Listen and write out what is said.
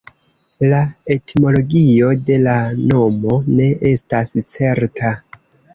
La etimologio de la nomo ne estas certa.